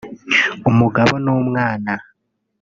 umugabo n’umwana